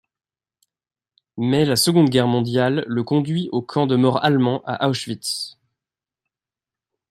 Mais la Seconde Guerre mondiale le conduit au camp de mort allemand à Auschwitz.